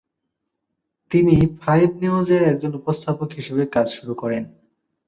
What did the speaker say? তিনি ফাইভ নিউজের একজন উপস্থাপক হিসেবে কাজ শুরু করেন।